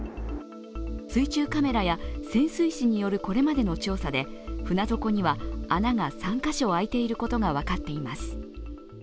水中カメラや潜水士によるこれまでの調査で船底には穴が３カ所開いていることが分かっています。